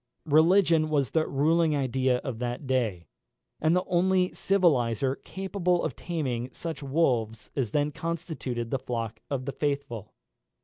Religion was the ruling idea of that day, and the only civiliser capable of taming such wolves as then constituted the flock of the faithful.